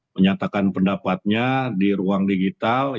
menyatakan pendapatnya di ruang digital